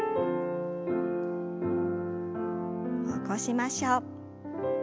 起こしましょう。